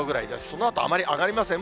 そのあとあまり上がりません。